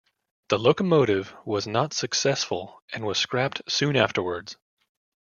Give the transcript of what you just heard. The locomotive was not successful and was scrapped soon afterwards.